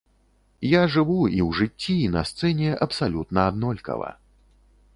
Я жыву і ў жыцці, і на сцэне абсалютна аднолькава.